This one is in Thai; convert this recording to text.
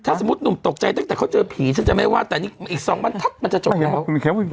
ถ้าสมมุติหนุ่มตกใจตั้งแต่เขาเจอผีฉันจะไม่ว่าแต่นี่อีก๒บรรทัศน์มันจะจบแล้ว